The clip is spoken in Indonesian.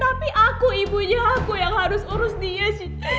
tapi aku ibunya aku yang harus urus dia sih